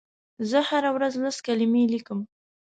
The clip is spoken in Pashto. زه هره ورځ لس کلمې لیکم.